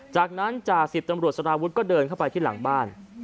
จากนั้นจ่าสิบตำรวจสารวุฒิก็เดินเข้าไปที่หลังบ้าน